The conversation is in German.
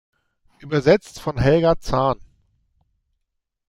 Übersetzt von Helga Zahn.